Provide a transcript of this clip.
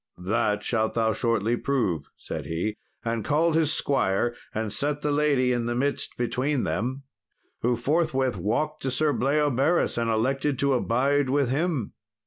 "That shalt thou shortly prove," said he, and called his squire, and set the lady in the midst between them, who forthwith walked to Sir Bleoberis and elected to abide with him.